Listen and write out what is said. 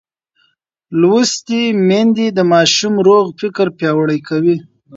لوستې میندې د ماشوم روغ فکر پیاوړی کوي.